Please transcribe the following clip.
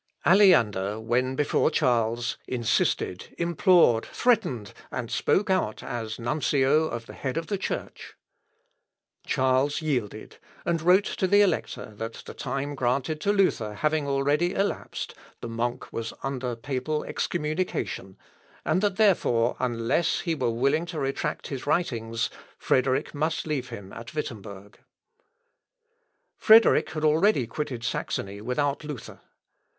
Aleander, when before Charles, insisted, implored, threatened, and spoke out as nuncio of the head of the Church. Charles yielded; and wrote to the Elector that the time granted to Luther having already elapsed, the monk was under papal excommunication; and that therefore unless he were willing to retract his writings, Frederick must leave him at Wittemberg. Frederick had already quitted Saxony without Luther.